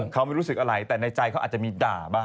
เขาไม่รู้สึกอะไรแต่ในใจเขาอาจจะมีด่าบ้าง